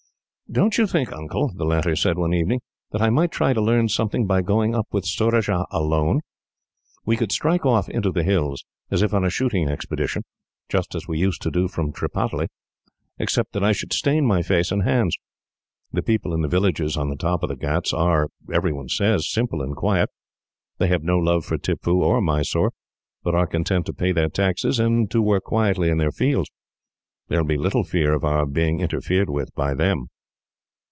"Don't you think, Uncle," the latter said one evening, "that I might try to learn something by going up with Surajah alone? We could strike off into the hills, as if on a shooting expedition, just as we used to do from Tripataly, except that I should stain my face and hands. The people in the villages on the top of the ghauts are, every one says, simple and quiet. They have no love for Tippoo or Mysore, but are content to pay their taxes, and to work quietly in their fields. There will be little fear of our being interfered with by them."